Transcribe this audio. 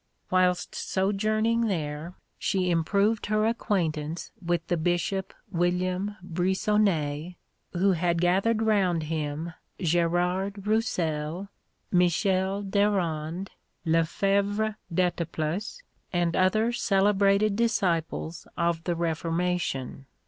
Whilst sojourning there she improved her acquaintance with the Bishop, William Briçonnet, who had gathered around him Gerard Roussel, Michael d'Arande, Lefèvre d'Etaples, and other celebrated disciples of the Reformation.